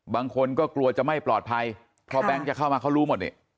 บางคนก็กลัวจะไม่ปลอดภัยเพราะแบงค์จะเข้ามาเขารู้หมดนี่